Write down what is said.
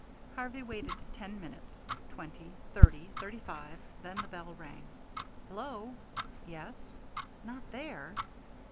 Harvey waited ten minutes, twenty, thirty, thirty five then the bell rang. "Hello!" "Yes." "Not there?"